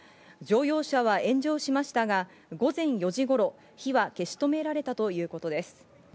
乗用車は炎上しましたが、午前４時頃、火は消し止められたということです。